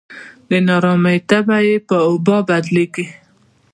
د نا ارامۍ تبه یې په وبا بدلېږي.